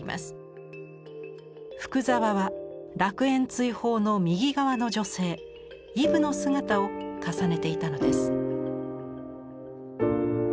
福沢は「楽園追放」の右側の女性イヴの姿を重ねていたのです。